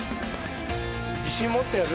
自信持ってやる。